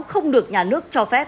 không được nhà nước cho phép